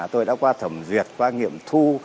tôi đã qua thẩm duyệt qua nghiệm thu